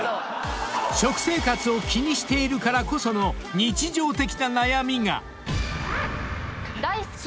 ［食生活を気にしているからこその日常的な悩みが］